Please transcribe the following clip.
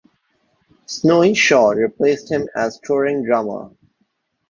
Snowy Shaw replaced him as touring drummer.